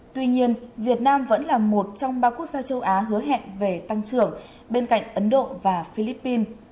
tuy nhiên việt nam vẫn là một trong ba quốc gia châu á hứa hẹn về tăng trưởng bên cạnh ấn độ và philippines